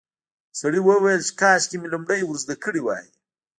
سړي وویل چې کاشکې مې لومړی ور زده کړي وای.